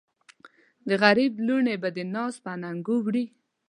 د غرب لوڼې به دې ناز په اننګو وړي